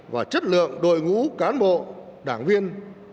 và chất lượng đội ngũ cán bộ đảng viên